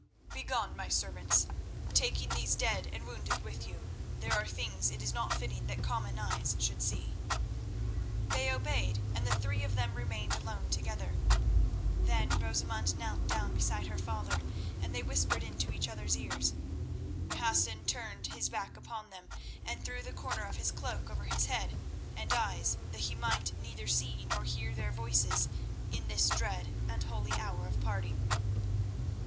Begone, my servants, taking these dead and wounded with you. There are things it is not fitting that common eyes should see." They obeyed, and the three of them remained alone together. Then Rosamund knelt down beside her father, and they whispered into each other's ears. Hassan turned his back upon them, and threw the corner of his cloak over his head and eyes that he might neither see nor hear their voices in this dread and holy hour of parting.